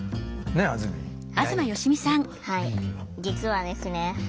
はい実はですね